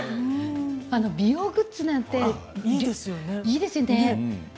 あのよう美容グッズなんていいですよね。